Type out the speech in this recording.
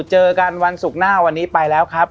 เจอกันวันศุกร์หน้าวันนี้ไปแล้วครับ